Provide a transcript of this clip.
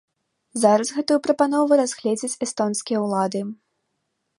Зараз гэтую прапанову разгледзяць эстонскія ўлады.